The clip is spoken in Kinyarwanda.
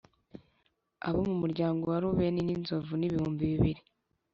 Abo mu muryango wa Rubeni ni inzovu n’ibihumbi bibiri